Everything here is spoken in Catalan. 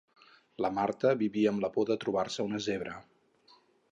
La Marta vivia amb la por de trobar-se una zebra.